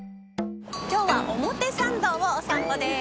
今日は表参道をお散歩です。